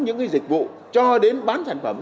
những dịch vụ cho đến bán sản phẩm